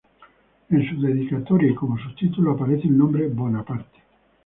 En su dedicatoria y como subtítulo aparece el nombre "Bonaparte".